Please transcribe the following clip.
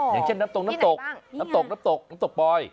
อย่างเช่นน้ำตรงน้ำตกน้ำตกน้ำตกน้ำตกปลอย